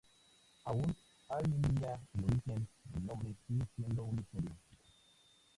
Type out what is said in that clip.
Aún hoy en día el origen del nombre sigue siendo un misterio.